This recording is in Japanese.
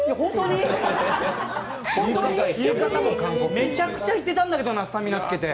めちゃくちゃ行ってたんだけどな、スタミナつけて。